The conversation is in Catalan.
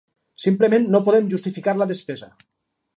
Simplement no podem justificar la despesa.